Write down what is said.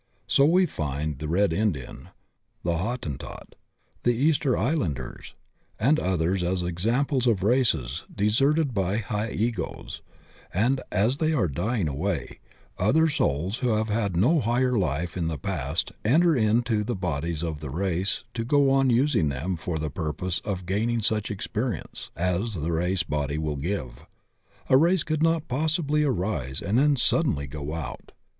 So we find the red Indian, the Hottentot, the Easter Islanders, and others as examples of races deserted by high Egos, and, as they are dying away, other souk who have had no higher life in the past enter into the bodies of the race to go on using them for the purpose of gaining such experience as the race body will give. A race could not possibly arise and then suddenly go out.